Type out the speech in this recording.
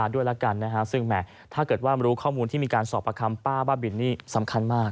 ด้วยแล้วกันนะฮะซึ่งแหมถ้าเกิดว่ารู้ข้อมูลที่มีการสอบประคำป้าบ้าบินนี่สำคัญมาก